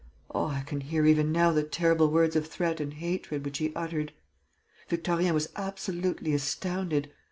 Oh, I can hear even now the terrible words of threat and hatred which he uttered! Victorien was absolutely astounded.